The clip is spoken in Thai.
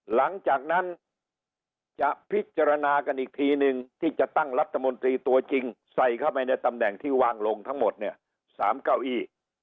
หลังจากนั้นจะพิจารณากันอีกทีนึงที่จะตั้งรัฐมนตรีตัวจริงใส่เข้าไปในตำแหน่งที่วางลงทั้งหมดเนี่ย๓เก้าอี้